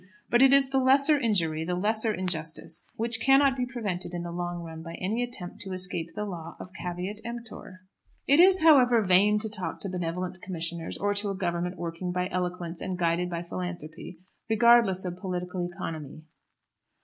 But it is the lesser injury, the lesser injustice, which cannot be prevented in the long run by any attempt to escape the law of "caveat emptor." It is, however, vain to talk to benevolent commissioners, or to a Government working by eloquence and guided by philanthropy, regardless of political economy.